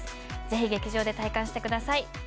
ぜひ劇場で体感してください